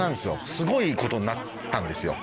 すごいことになったんですよ